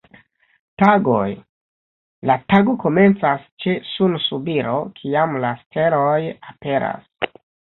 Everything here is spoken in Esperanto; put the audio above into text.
Tagoj: la tago komencas ĉe sunsubiro, kiam la steloj aperas.